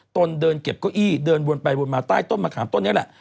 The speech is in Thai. ตนเดินเก็บเก้าอี้เดินวนไปวนมาใต้ต้นมะขามต้นนี้แหละ